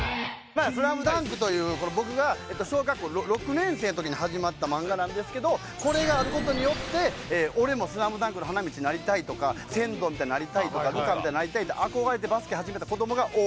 『スラムダンク』という僕が小学校６年生の時に始まった漫画なんですけどこれがある事によって俺も『スラムダンク』の花道になりたいとか仙道みたいになりたいとか流川みたいになりたいって憧れてバスケ始めた子どもが多い。